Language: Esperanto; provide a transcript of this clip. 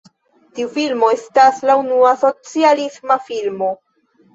Tiu filmo estas la unua "socialisma filmo".